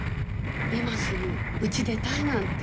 今すぐうち出たいなんて。